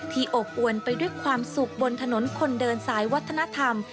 อบอวนไปด้วยความสุขบนถนนคนเดินสายวัฒนธรรม